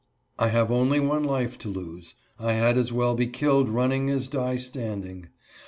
I have only one life to lose. I had as well be killed running as die standing.